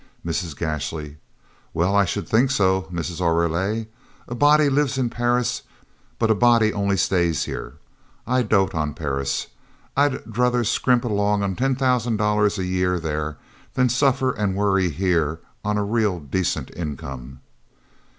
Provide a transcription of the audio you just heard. Mrs. Gashly "Well I should think so, Mrs. Oreille. A body lives in Paris, but a body, only stays here. I dote on Paris; I'd druther scrimp along on ten thousand dollars a year there, than suffer and worry here on a real decent income."